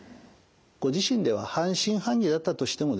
ご自身では半信半疑だったとしてもですね